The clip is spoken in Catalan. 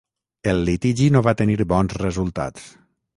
El litigi no va tenir bons resultats.